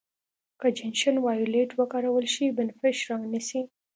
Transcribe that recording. که جنشن وایولېټ وکارول شي بنفش رنګ نیسي.